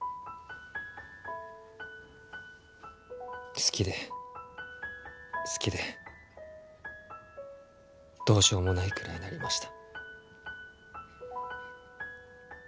好きで好きでどうしようもないくらいになりました。